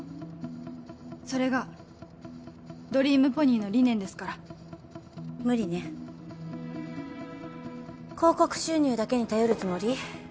それがドリームポニーの理念ですから無理ね広告収入だけに頼るつもり？